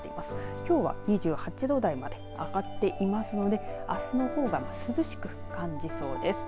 きょうは２８度台まで上がっていますのであすの方が涼しく感じそうです。